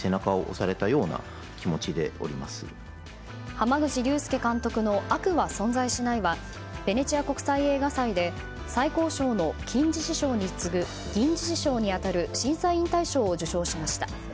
濱口竜介監督の「悪は存在しない」はベネチア国際映画祭で最高の金獅子賞に次ぐ銀獅子賞に当たる審査員大賞を受賞しました。